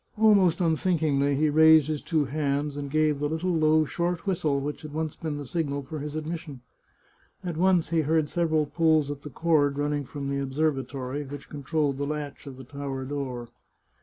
Almost unthinkingly he raised his two hands and gave the little low, short whistle which had once been the signal for his admission. At once he heard several pulls at the cord running from the observatory, which controlled the latch of the tower door.